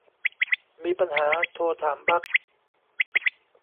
มีปัญหาโทรถามบั๊ก